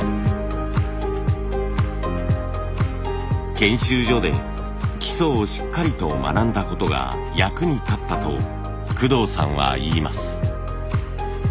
研修所で基礎をしっかりと学んだことが役に立ったと工藤さんはいいます。